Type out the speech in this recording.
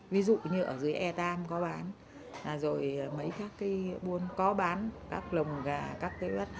ví dụ như ở dưới e ba có bán rồi mấy các cái buôn có bán các lồng gà các cái vất